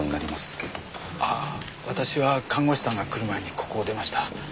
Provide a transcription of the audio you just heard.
ああ私は看護師さんが来る前にここを出ました。